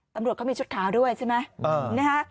ตำรวจเขามีชุดขาวด้วยใช่ไหม